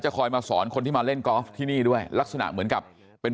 คอยมาสอนคนที่มาเล่นกอล์ฟที่นี่ด้วยลักษณะเหมือนกับเป็น